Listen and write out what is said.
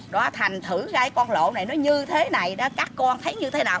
đó thành thử ra cái con lỗ này nó như thế này đó các con thấy như thế nào